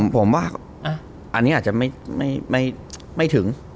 ผมว่าอันนี้อาจจะไม่ถึง